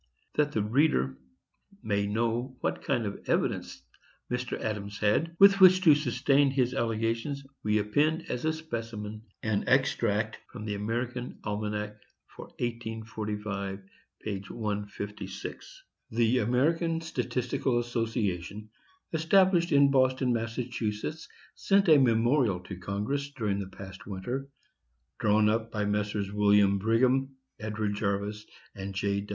That the reader may know what kind of evidence Mr. Adams had with which to sustain his allegations, we append, as a specimen, an extract from the American Almanac for 1845, p. 156. The "American Statistical Association," established in Boston, Mass., sent a memorial to Congress during the past winter, drawn up by Messrs. William Brigham, Edward Jarvis, and J.